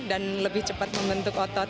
dan lebih cepat membentuk otot